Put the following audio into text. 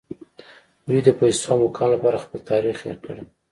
دوی د پیسو او مقام لپاره خپل تاریخ هیر کړی